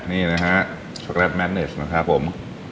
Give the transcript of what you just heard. นี่นะฮะช็อกแลตแมทเนสนะครับผม